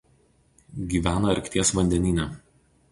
Gyvena Arkties vandenyne.